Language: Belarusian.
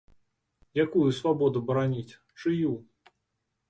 Якую свабоду бараніць, чыю?